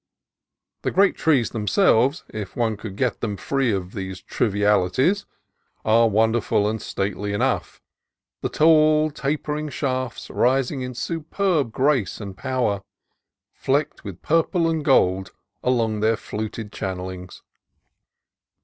The great trees themselves, if one could get them free of these trivialities, are wonderful and stately enough, the tall, tapering shafts rising in superb grace and power, flecked with purple and gold along their fluted channellings.